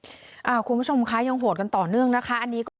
อืมคุณผู้ชมค่ะยังโหดกันต่อเนื่องนะคะ